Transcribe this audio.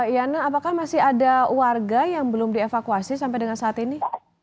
yana apakah masih ada warga yang belum dievakuasi sampai dengan saat ini